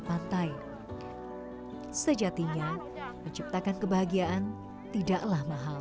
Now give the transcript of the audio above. pantai sejatinya menciptakan kebahagiaan tidaklah mahal